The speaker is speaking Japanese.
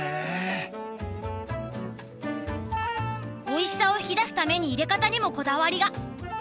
おいしさを引き出すためにいれ方にもこだわりが。